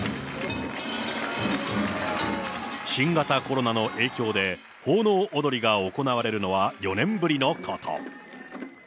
新型コロナの影響で、奉納踊が行われるのは４年ぶりのこと。